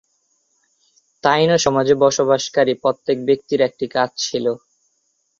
তাইনো সমাজে বসবাসকারী প্রত্যেক ব্যক্তির একটি কাজ ছিল।